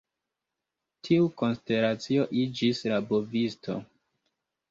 Tiu konstelacio iĝis la Bovisto.